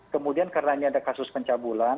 kemudian karena ini ada kasus pencabulan